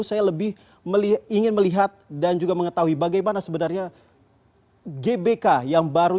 saya lebih ingin melihat dan juga mengetahui bagaimana sebenarnya gbk yang baru